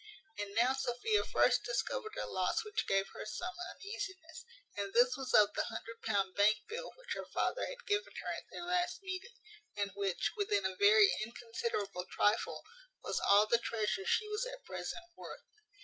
And now Sophia first discovered a loss which gave her some uneasiness; and this was of the hundred pound bank bill which her father had given her at their last meeting; and which, within a very inconsiderable trifle, was all the treasure she was at present worth.